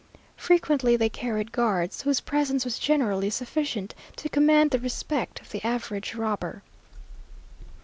Frequently they carried guards, whose presence was generally sufficient to command the respect of the average robber.